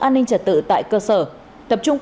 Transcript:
an ninh trật tự tại cơ sở tập trung